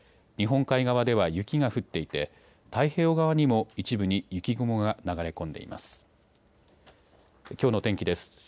日本海側では雪が降っていて太平洋側にも一部に雪雲が流れ込んでいます。